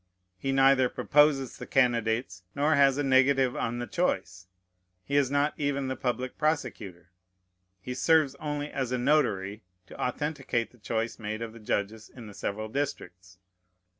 He neither proposes the candidates nor has a negative on the choice. He is not even the public prosecutor. He serves only as a notary, to authenticate the choice made of the judges in the several districts.